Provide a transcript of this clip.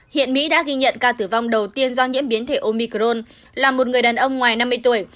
hiện mỹ đã ghi nhận ca tử vong đầu tiên do nhiễm biến thể omicron là một người đàn ông ngoài năm mươi tuổi